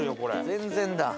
全然だ。